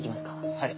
はい。